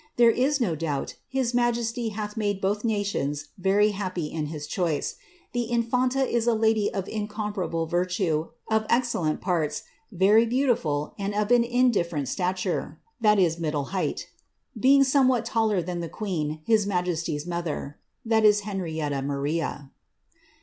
There is no doubt his majesty hath >th nations very happy in his choice. The infanta is a lady of anhle virtue, of excellent parts, very beautiful, and of an indiffer' are, (middle height), being somewliat taller than the queen, his 's mother (Henrietta Maria.")